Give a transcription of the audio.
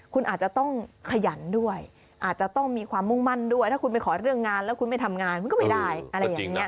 คุณอาจจะต้องขยันด้วยอาจจะต้องมีความมุ่งมั่นด้วยถ้าคุณไปขอเรื่องงานแล้วคุณไม่ทำงานคุณก็ไม่ได้อะไรอย่างนี้